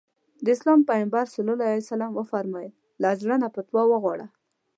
د اسلام پيغمبر ص وفرمايل له زړه نه فتوا وغواړه.